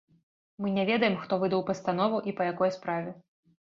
Мы не ведаем, хто выдаў пастанову і па якой справе.